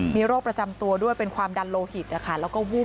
มีโรคประจำตัวด้วยเป็นความดันโลหิตแล้วก็วูบ